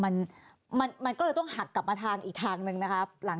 ยังต้องหักกลับมาทางอีกทางนึงนะครับ